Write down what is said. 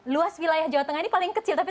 luas wilayah jawa tengah ini paling kecil tapi